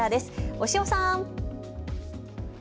押尾さん。